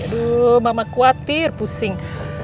aduh mama khawatir pusing